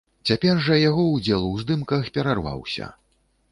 Цяпер жа яго ўдзел у здымках перарваўся.